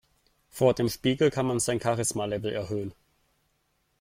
Vor dem Spiegel kann man sein Charisma-Level erhöhen.